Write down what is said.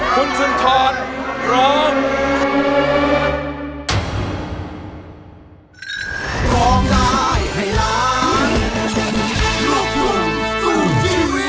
คุณสุนทรร้อง